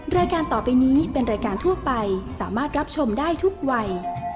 รายการต่อไปนี้เป็นรายการทั่วไปสามารถรับชมได้ทุกวัย